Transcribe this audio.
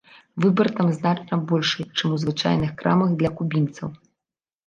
Выбар там значна большы, чым у звычайных крамах для кубінцаў.